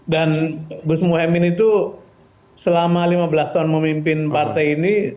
dan gus muhyemini itu selama lima belas tahun memimpin partai ini